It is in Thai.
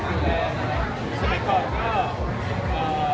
ตอนนี้เราทำเพลงแบบสมมติแบบสมัยก่อนก็